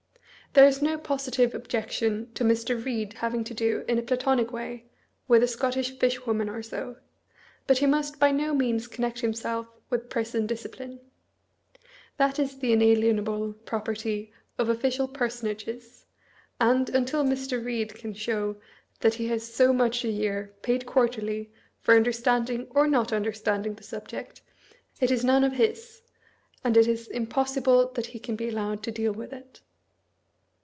There is no positive objection to Mb. Ebade having to do, in a Platonic way, with a Scot tish fishwoman or so; but he must by no means connect himself with Prison Discipline. That is the inalienable property of official personages; and, until Mr. Eeade can show that he has so much a year, paid quarterly, for un derstanding (or not understanding) the subject, it is none of his, and it is impossible that he can be allowed to deal with it.